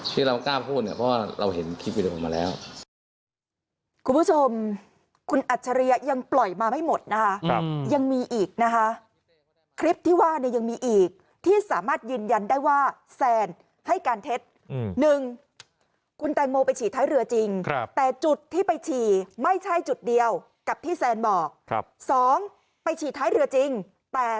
ที่เรากล้าพูดเนี่ยเพราะว่าเราเห็นคลิปวิดีโอมาแล้ว